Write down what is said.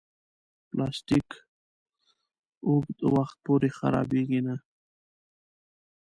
پلاستيک اوږد وخت پورې خرابېږي نه.